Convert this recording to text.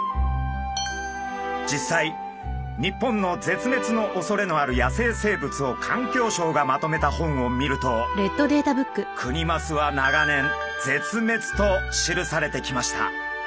実際日本の絶滅のおそれのある野生生物を環境省がまとめた本を見るとクニマスは長年「絶滅」と記されてきました。